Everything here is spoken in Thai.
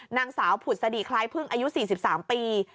นางสาวผุดสดีคล้ายพึ่งอายุ๔๓ปี